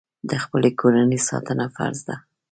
د خپلې کورنۍ ساتنه فرض ده.